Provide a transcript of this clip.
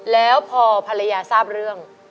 แล้วพอภรรยาทราบเรื่อง